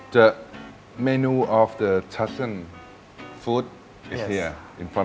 แต่เราดูใหญ่เหมือนกัน